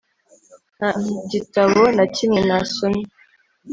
nta gitabo na kimwe nasomye